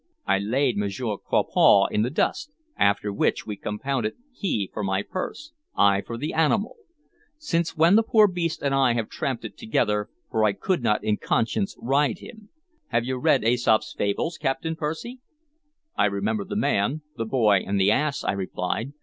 I laid Monsieur Crapaud in the dust, after which we compounded, he for my purse, I for the animal; since when the poor beast and I have tramped it together, for I could not in conscience ride him. Have you read me Aesop's fables, Captain Percy?" "I remember the man, the boy, and the ass," I replied.